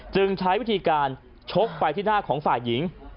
ใช้วิธีการชกไปที่หน้าของฝ่ายหญิง